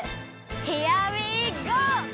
ヒアウィーゴー！